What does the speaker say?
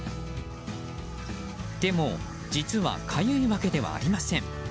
でも、実はかゆいわけではありません。